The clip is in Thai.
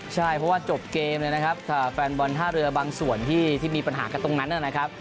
ใช่เพราะว่าจบเกมเลยนะครับแฟนบอลท่าเรือบางส่วนที่มีปัญหากันตรงนั้นนะครับ